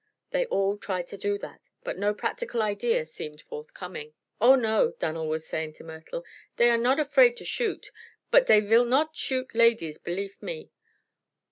They all tried to do that, but no practical idea seemed forthcoming. "Oh, no," Dan'l was saying to Myrtle; "dey are nod afraid to shoot; bud dey vill nod shoot ladies, belief me.